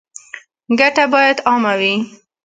ګټه باید عامه وي